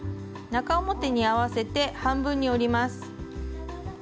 中表に合わせて半分に折ります。